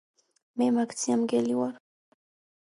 მე მაქცია მგელი ვარ.